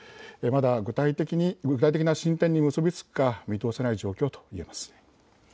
まだ具体的な進展に結び付くか見通せない状況としています。